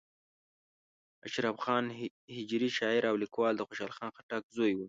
اشرف خان هجري شاعر او لیکوال د خوشحال خان خټک زوی و.